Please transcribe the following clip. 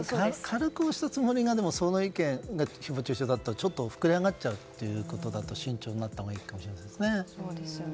軽く押したつもりがそれが誹謗中傷だと、ちょっと膨れ上がっちゃうということだと慎重になったほうがいいかもしれないですね。